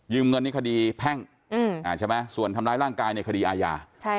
เงินในคดีแพ่งใช่ไหมส่วนทำร้ายร่างกายในคดีอาญา